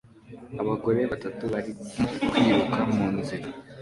Abagore batatu barimo kwiruka munzira